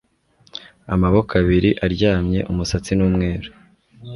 amaboko abiri aryamye, umusatsi n'umweru